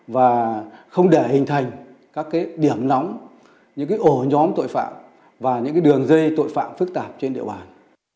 và không để hình thành các điểm nóng những ổ nhóm tội phạm và những đường dây tội phạm phức tạp trên địa bàn